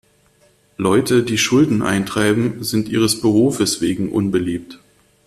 Leute, die Schulden eintreiben, sind ihres Berufes wegen unbeliebt.